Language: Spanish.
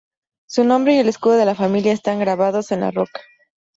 Su nombre y el escudo de la familia están grabados en la roca.